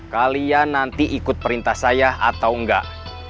kalian nanti ikut perintah saya atau enggak